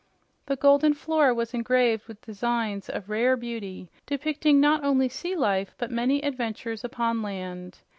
The golden floor was engraved with designs of rare beauty, depicting not only sea life, but many adventures upon land.